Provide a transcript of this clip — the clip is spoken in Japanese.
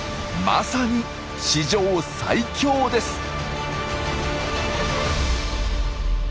まさに史上最強です！